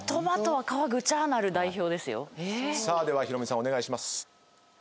さあではヒロミさんお願いします。